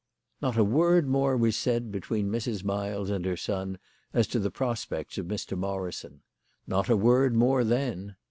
Not a word more was said between Mrs. Miles and her son as to the prospects of Mr. Morrison; not a word more then.